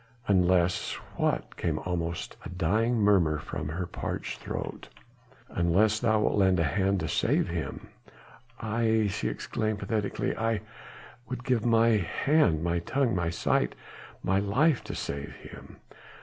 "Unless ... what?" came almost as a dying murmur from her parched throat. "Unless thou wilt lend a hand to save him." "I?" she exclaimed pathetically, "I would give my hand ... my tongue ... my sight ... my life to save him."